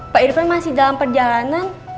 pak irfan masih dalam perjalanan